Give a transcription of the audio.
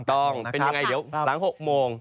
ต้องเป็นยังไงเดี๋ยวหลัง๖โมง